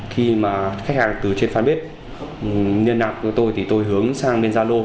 khi mà khách hàng từ trên fanpage liên lạc với tôi thì tôi hướng sang bên gia lô